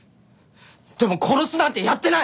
でも殺すなんてやってない！